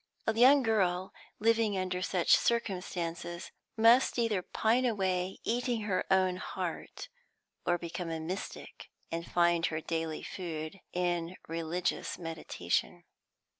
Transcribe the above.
A young girl, living under such circumstances, must either pine away, eating her own heart, or become a mystic, and find her daily food in religious meditation.